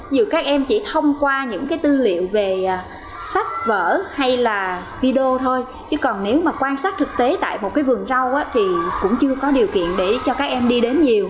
dù các em chỉ thông qua những cái tư liệu về sách vở hay là video thôi chứ còn nếu mà quan sát thực tế tại một cái vườn rau thì cũng chưa có điều kiện để cho các em đi đến nhiều